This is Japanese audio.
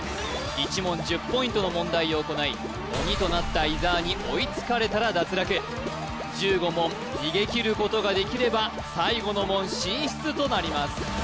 １問１０ポイントの問題を行い鬼となった伊沢に追いつかれたら脱落１５問逃げきることができれば最後の門進出となります